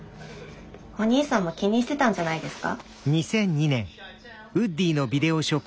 お兄さんも気にしてたんじゃないですか？